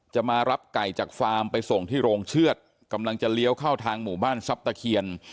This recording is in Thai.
จะมารับไก่จากฟาร์มไปส่งที่โรงเชือดกำลังจะเลี้ยวเข้าทางหมู่บ้านทรัพย์ตะเคียน